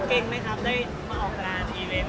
เก่งไหมครับได้มาออกงานอีเวนต์